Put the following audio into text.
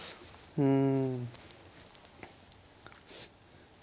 うん。